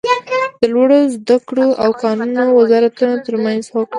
د لوړو ذده کړو او کانونو وزارتونو تر مینځ هوکړه